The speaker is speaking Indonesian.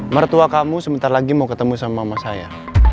mertua kamu sebentar lagi mau ketemu sama mama saya